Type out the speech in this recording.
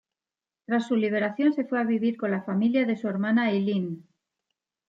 Tras su liberación se fue a vivir con la familia de su hermana Eileen.